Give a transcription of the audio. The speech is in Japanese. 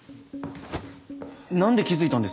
何で気付いたんです？